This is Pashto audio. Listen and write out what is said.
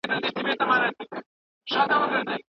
لارښود استاد د شاګرد مخالفت ونه مانه.